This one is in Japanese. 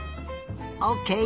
オーケー！